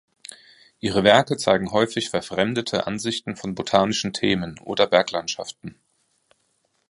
Ihre Werke zeigen häufig verfremdete Ansichten von botanischen Themen oder Berglandschaften.